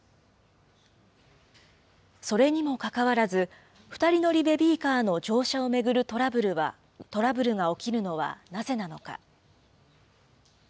それにもかかわらず、２人乗りベビーカーの乗車を巡るトラブルが起きるのはなぜなのか。